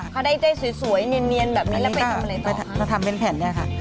คาได้ใจสวยเนียนแบบนี้แล้วไปทำอะไรต่อค่ะอันนี้ก็เราทำเป็นแผ่นได้ค่ะค่ะ